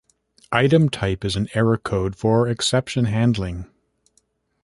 Item type is an error code for exception handling.